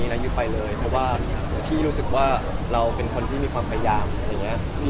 และพี่รู้สึกว่าเราเป็นคนที่มีความพยายาม